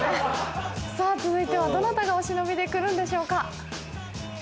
さぁ続いてはどなたがお忍びで来るんでしょうか。